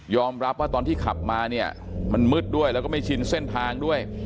รับว่าตอนที่ขับมาเนี่ยมันมืดด้วยแล้วก็ไม่ชินเส้นทางด้วย